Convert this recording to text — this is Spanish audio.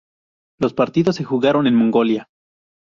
Los partidos se jugaron en Mongolia.